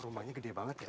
rumahnya gede banget ya